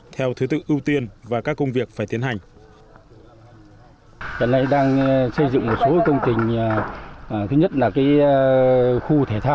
theo thứ tự ưu tiên và các công việc phải tiến hành